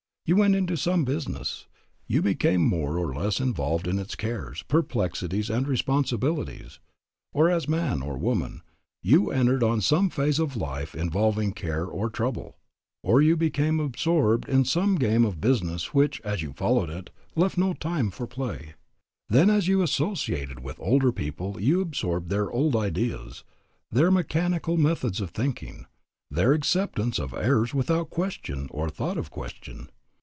You went into some business. You became more or less involved in its cares, perplexities and responsibilities. Or, as man or woman, you entered on some phase of life involving care or trouble. Or you became absorbed in some game of business which, as you followed it, left no time for play. Then as you associated with older people you absorbed their old ideas, their mechanical methods of thinking, their acceptance of errors without question or thought of question.